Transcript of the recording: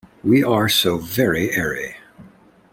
We are so very airy!